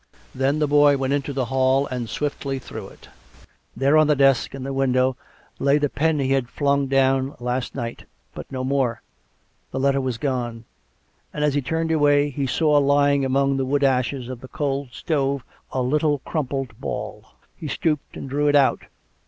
Then the boy went into the hall, and swiftly through it. There on the desk in the window lay the pen he had flung down last night, but no more; the letter was gone; and, as he turned away, he saw lying among the wood ashes of the cold stove a little crumpled ball. He stooped and drew it out.